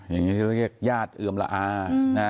อย่างนี้เรียกญาติเอือมละอา